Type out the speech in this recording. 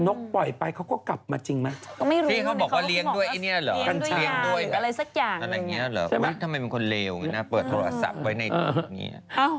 แต่นกปล่อยไปเขาก็กลับมาจริงมั้ยที่เขาบอกว่าเลี้ยงด้วยอะไรสักอย่างทำไมเป็นคนเลวเปิดโทรศัพท์ไว้ในตัวนี้